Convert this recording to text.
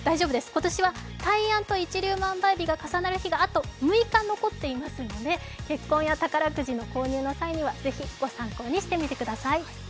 今年は大安と一粒万倍日が重なる日があと６日残っていますので結婚や宝くじの購入の際にはぜひご参考にしてみてください。